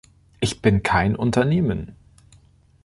Ich bin kein Unternehmen.